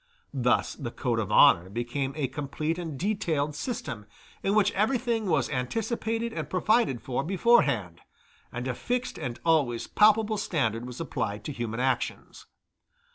Thus the code of honor became a complete and detailed system, in which everything was anticipated and provided for beforehand, and a fixed and always palpable standard was applied to human actions.